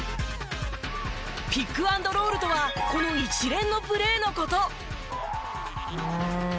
ピックアンドロールとはこの一連のプレーの事。